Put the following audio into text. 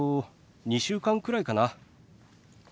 ２週間くらいかな。